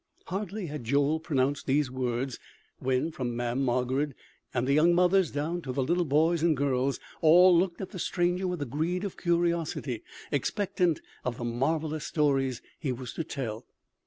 Hardly had Joel pronounced these words when, from Mamm' Margarid and the young mothers down to the little boys and girls, all looked at the stranger with the greed of curiosity, expectant of the marvelous stories he was to tell.